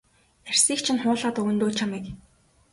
Арьсыг чинь хуулаад өгнө дөө чамайг.